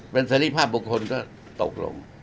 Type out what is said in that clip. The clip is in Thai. เป็นสรีภาพบุคคลก็ตกลง